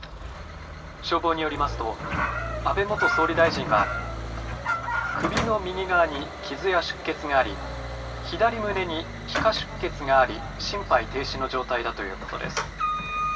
消防によりますと安倍元総理大臣は首の右側に傷や出血があり左胸に皮下出血があり心肺停止の状態だということです。